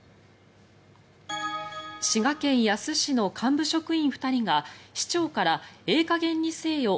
滋賀県野洲市の幹部職員２人が市長からええ